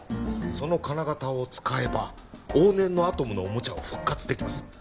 その金型を使えば往年のアトムのおもちゃを復活できます